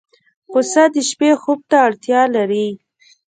پسه د شپې خوب ته اړتیا لري.